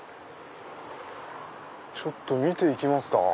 ちょっと見ていきますか。